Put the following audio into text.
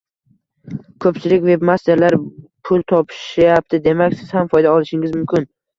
Ko’pchilik webmasterlar pul topishayapti, demak Siz ham foyda olishingiz mumkin